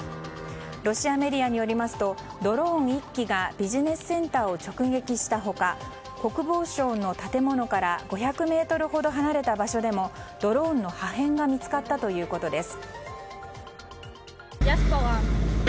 ロシアメディアによりますとドローン１機がビジネスセンターを直撃した他国防省の建物から５００ｍほど離れた場所でもドローンの破片が見つかったということです。